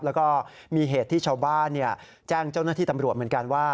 แล้วก็มีเหตุที่ชาวบ้านแจ้งเจ้าหน้าที่ตำรวจเหมือนกันว่า